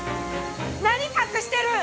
何隠してるん！？